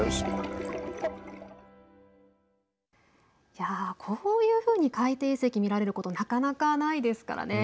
いやあ、こういうふうに海底遺跡を見られることなかなかないですからね。